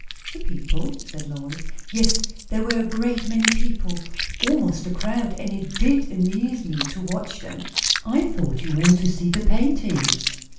"The people!" said Lois. "Yes. There were a great many people; almost a crowd; and it did amuse me to watch them." "I thought you went to see the paintings."